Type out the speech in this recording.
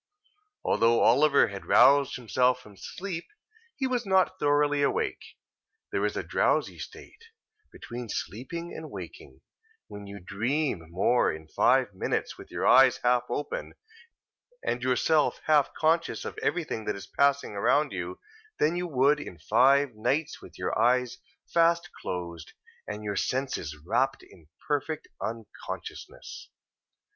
Although Oliver had roused himself from sleep, he was not thoroughly awake. There is a drowsy state, between sleeping and waking, when you dream more in five minutes with your eyes half open, and yourself half conscious of everything that is passing around you, than you would in five nights with your eyes fast closed, and your senses wrapt in perfect unconsciousness.